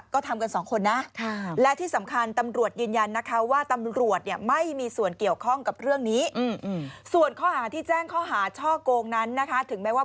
ก็ทำกันสองคนนะและที่สำคัญตำรวจยืนยันนะคะว่า